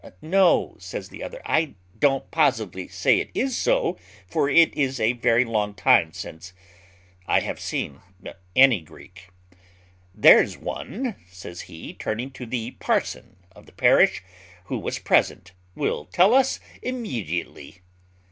"No," says the other, "I don't positively say it is so; for it is a very long time since I have seen any Greek." "There's one," says he, turning to the parson of the parish, who was present, "will tell us immediately."